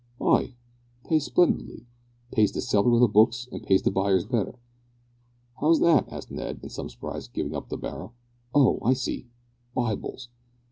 "Ay, pays splendidly pays the seller of the books and pays the buyers better." "How's that?" asked Ned, in some surprise, going up to the barrow; "oh! I see, Bibles."